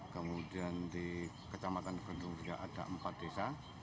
kemudian di kecamatan kendungja ada empat desa